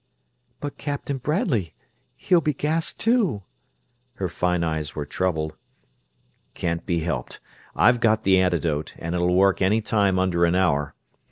"But Captain Bradley he'll be gassed, too." Her fine eyes were troubled. "Can't be helped. I've got the antidote, and it'll work any time under an hour.